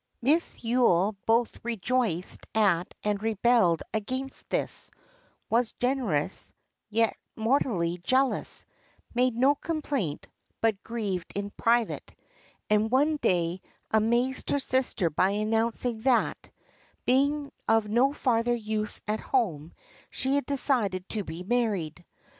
Miss Yule both rejoiced at and rebelled against this; was generous, yet mortally jealous; made no complaint, but grieved in private, and one fine day amazed her sister by announcing, that, being of no farther use at home, she had decided to be married.